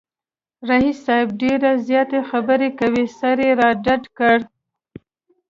رییس صاحب ډېرې زیاتې خبری کوي، سر یې را ډډ کړ